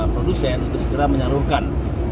produsen untuk segera menyalurkan